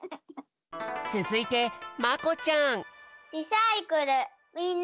つづいてまこちゃん！